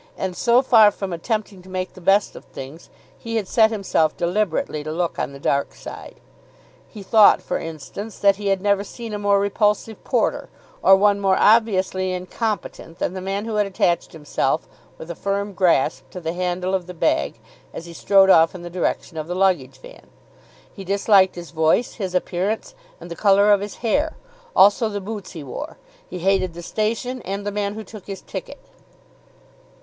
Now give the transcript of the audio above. And, so far from attempting to make the best of things, he had set himself deliberately to look on the dark side. He thought, for instance, that he had never seen a more repulsive porter, or one more obviously incompetent than the man who had attached himself with a firm grasp to the handle of the bag as he strode off in the direction of the luggage van. He disliked his voice, his appearance, and the colour of his hair. Also the boots he wore. He hated the station, and the man who took his ticket.